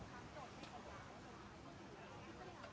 สวัสดีครับทุกคน